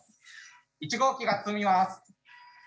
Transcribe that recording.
１号機が進みます。